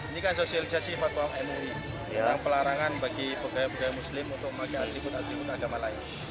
ini kan sosialisasi fatwa mui yang pelarangan bagi budaya budaya muslim untuk memakai atribut atribut agama lain